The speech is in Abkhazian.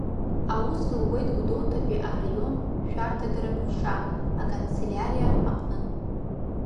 Аус луеит Гәдоуҭатәи араионтә шәарҭадаратә ҟәша аканцелиариа аҟны.